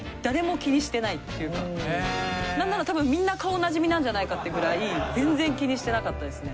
なんならたぶんみんな顔なじみなんじゃないかってくらい全然気にしてなかったですね。